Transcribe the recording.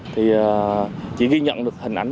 thì chỉ ghi nhận được hình ảnh